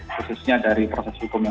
khususnya dari perwakilan